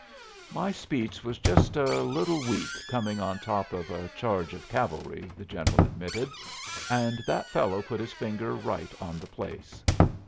"My speech was just a little weak coming on top of a charge of cavalry," the General admitted. "And that fellow put his finger right on the place.